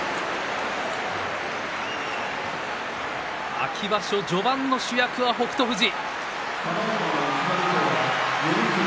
秋場所序盤の主役は北勝富士。